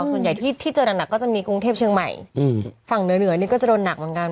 ส่วนใหญ่ที่เจอหนักก็จะมีกรุงเทพเชียงใหม่ฝั่งเหนือนี่ก็จะโดนหนักเหมือนกัน